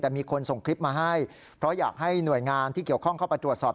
แต่มีคนส่งคลิปมาให้เพราะอยากให้หน่วยงานที่เกี่ยวข้องเข้าไปตรวจสอบ